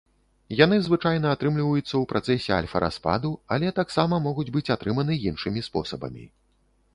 Яны звычайна атрымліваюцца ў працэсе альфа-распаду, але таксама могуць быць атрыманы іншымі спосабамі.